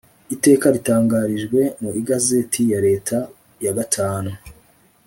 Iteka ritangarijwe mu Igazeti ya Leta ya gatanu